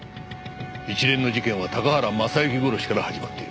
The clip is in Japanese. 一連の事件は高原雅之殺しから始まっている。